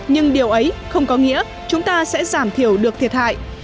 nhưng điều ấy không có nghĩa chúng ta sẽ giảm thiểu được thiệt hại